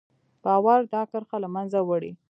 باور دا کرښه له منځه وړي.